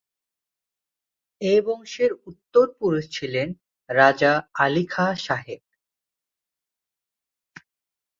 এ বংশের উত্তর পুরুষ ছিলেন রাজা আলী খাঁ সাহেব।